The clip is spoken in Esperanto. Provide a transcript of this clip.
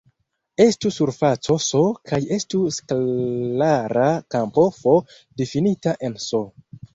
Estu surfaco "S" kaj estu skalara kampo "f" difinita en "S".